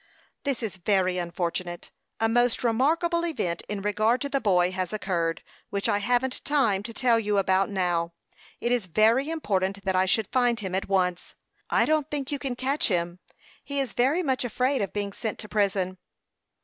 "This is very unfortunate. A most remarkable event in regard to the boy has occurred, which I haven't time to tell you about now. It is very important that I should find him at once." "I don't think you can catch him. He is very much afraid of being sent to prison."